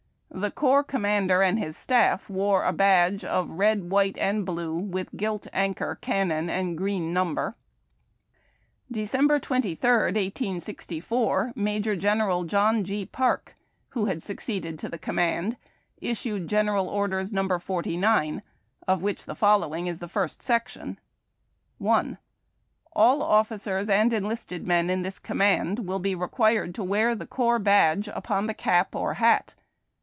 The corps commander and his staff wore a badge " of red, white, and blue, with gilt anchor, cannon, and green number." December 23, 1864, Major General John G. Parke, who had succeeded to the command, issued General Orders No. 49, of which the following is the first section :—" 1. All officers and enlisted men in this command will be required to wear the Corps Badge upon the cap or hat.